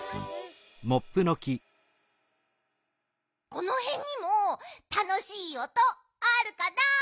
このへんにもたのしいおとあるかな？